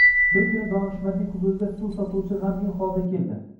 Bir kuni donishmandning huzuriga suv sotuvchi g`amgin holda keldi